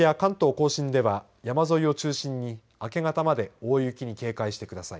甲信では山沿いを中心に明け方まで大雪に警戒してください。